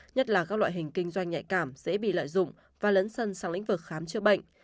nhất là các loại hình kinh doanh nhạy cảm dễ bị lợi dụng và lấn sân sang lĩnh vực khám chữa bệnh